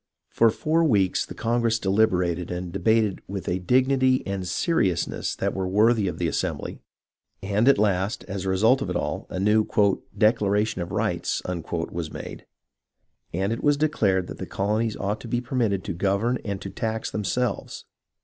For four weeks the congress deliberated and debated with a dignity and seriousness that were worthy of the assembly, and, at last, as a result of it all, a new " declaration of rights" was made, and it was declared that the colonies ought to be permitted to govern and to tax themselves.